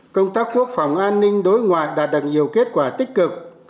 công tác quốc phòng an ninh đối ngoại đạt đẳng nhiều kết thúc